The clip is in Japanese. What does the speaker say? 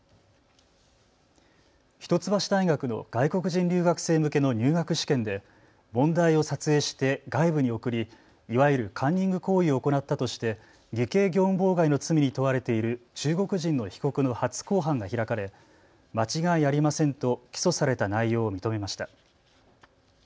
一橋大学の外国人留学生向けの入学試験で問題を撮影して外部に送り、いわゆるカンニング行為を行ったとして偽計業務妨害の罪に問われている中国人の被告の初公判が開かれ間違いありませんと起訴された内容を認めました。